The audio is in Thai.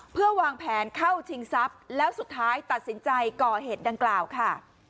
เพื่อวางแผนเข้าชิงทรัพย์แล้วสุดท้ายตัดสินใจก่อเหตุดังกล่าวค่ะ